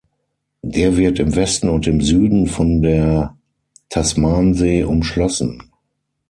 Der wird im Westen und im Süden von der Tasmansee umschlossen.